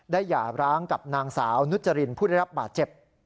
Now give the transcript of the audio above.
หย่าร้างกับนางสาวนุจรินผู้ได้รับบาดเจ็บ